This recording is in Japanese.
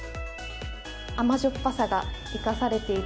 甘じょっぱさが生かされてい